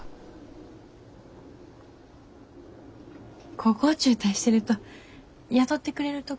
高校中退してると雇ってくれるとこも少なくて。